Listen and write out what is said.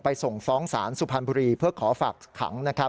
ไปส่งฟ้องศาลสุภันบุรีเพื่อขอฝากขัง